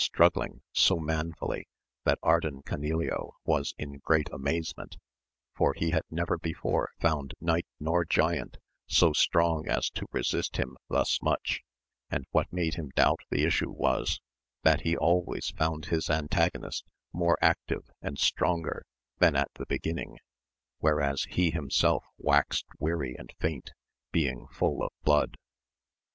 strugghng so manfully that Ardan Canileo was in great amazement, for he had never before found knight nor giant so strong as to resist him thus much ; and what made him doubt the issue was, that he always found his antagonist more active and stronger than at the beginning, whereas he himself waxed weary and faint, being full of blood.